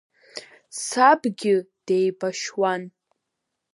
Сабгьы деибашьуан…